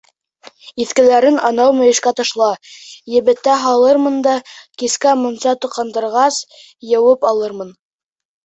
Иҫкеләрен анау мөйөшкә ташла, ебетә һалырмын да, кискә мунса тоҡандырғас, йыуып алырмын.